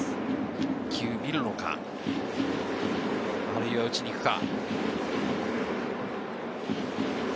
一球見るのか、あるいは打ちにいくか。